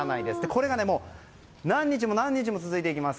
これが何日も続いていきます。